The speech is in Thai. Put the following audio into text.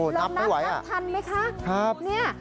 นับไม่ไหวอ่ะครับนี่เรานับนับทันไหมคะ